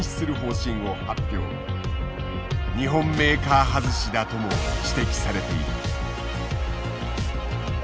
日本メーカー外しだとも指摘されている。